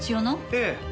ええ。